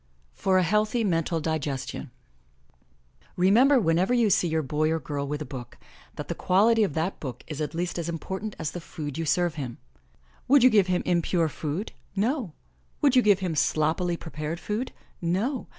FOR A HEALTHY MENTAL DIGESTION Remember, whenever you see your boy or girl with a book, that the quality of that book is at least as important as the food you serve him. Would you give him impure food? No! Would you give him sloppily prepared food? No!